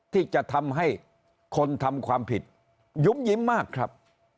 ที่จะทำให้คนทำความผิดยุ้มยิ้มมากครับ